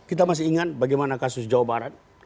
kita masih ingat bagaimana kasus jawa barat